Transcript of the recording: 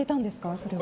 それは。